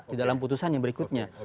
di dalam putusan yang berikutnya